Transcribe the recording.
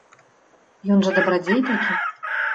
Ён жа дабрадзей такі.